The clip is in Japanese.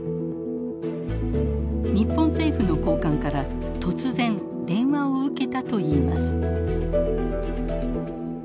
日本政府の高官から突然電話を受けたといいます。